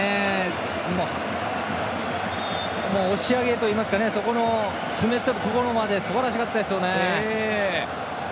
押し上げといいますか詰めたところまではすばらしかったですね。